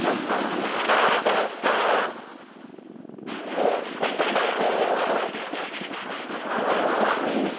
おっ、できたみたい。